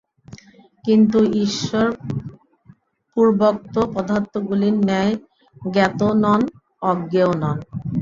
কিন্তু ঈশ্বর পূর্বোক্ত পদার্থগুলির ন্যায় জ্ঞাতও নন, অজ্ঞেয়ও নন।